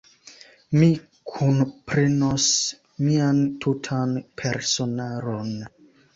Mi kunprenos mian tutan personaron.